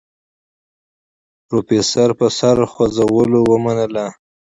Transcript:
پروفيسر په سر خوځولو ومنله.